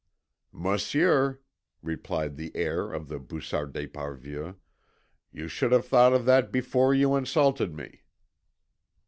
"Monsieur," replied the heir of the Bussart d'Esparvieu, "you should have thought of that before you insulted me."